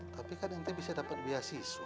tapi kan ente bisa dapet beasiswa